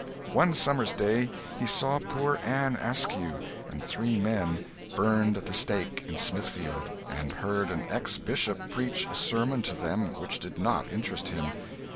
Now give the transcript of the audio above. One summer's day he saw poor Anne Askew and three men burned at the stake in Smithfield, and heard an ex Bishop preach a sermon to them which did not interest him.